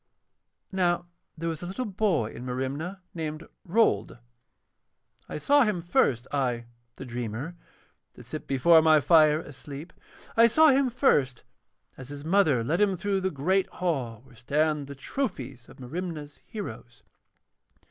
Now there was a little boy in Merimna named Rold. I saw him first, I, the dreamer, that sit before my fire asleep, I saw him first as his mother led him through the great hall where stand the trophies of Merimna's heroes.